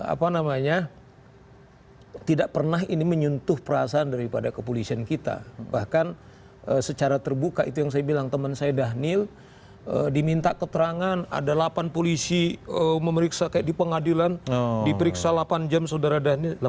apa namanya tidak pernah ini menyentuh perasaan daripada kepolisian kita bahkan secara terbuka itu yang saya bilang teman saya dhanil diminta keterangan ada delapan polisi memeriksa kayak di pengadilan diperiksa delapan jam saudara dhani delapan puluh